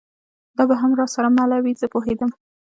دا به هم را سره مله وي، زه پوهېدم.